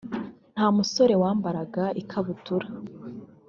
nta musore wambaraga ikabutura